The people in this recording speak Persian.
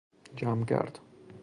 جمگرد